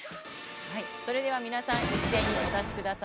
それでは皆さん一斉にお出しください